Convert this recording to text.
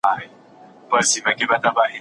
بیوزله خلګ مرستې ته اړتیا لري.